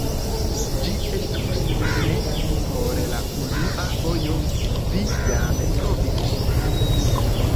Ĝi estus ne por la unua fojo, vi jam provis ĝin!